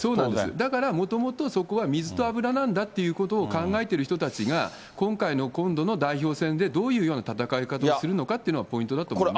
だからもともとそこは水と油なんだということを考えている人たちが、今回の今度の代表選でどういうような戦い方をするのかっていうのがポイントだと思います。